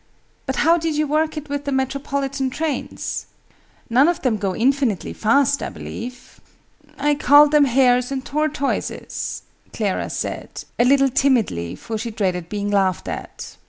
"But how did you work it with the Metropolitan trains? None of them go infinitely fast, I believe." "I called them hares and tortoises," Clara said a little timidly, for she dreaded being laughed at.